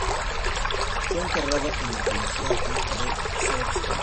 Fue enterrado en la Colegiata de Pforzheim.